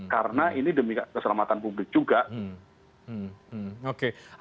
karena ini demi keselamatan publik juga